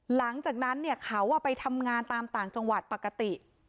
หลังจากนั้นเขาไปทำงานตามต่างจังหวัดปกติ